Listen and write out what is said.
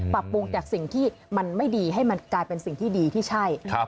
ปรับปรุงจากสิ่งที่มันไม่ดีให้มันกลายเป็นสิ่งที่ดีที่ใช่